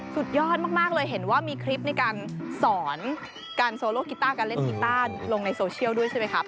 สุดยอดมากเลยเห็นว่ามีคลิปในการสอนการโซโลกีต้าการเล่นกีต้าลงในโซเชียลด้วยใช่ไหมครับ